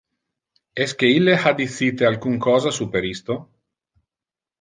Esque ille ha dicite alcun cosa super isto?